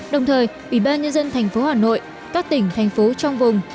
đồng thời ủy ban nhân dân thành phố hà nội các tỉnh thành phố trong vùng